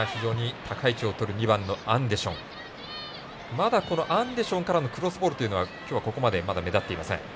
まだアンデションからのクロスボールというのは今日はここまでまだ目立っていません。